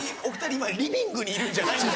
今リビングにいるんじゃないんです。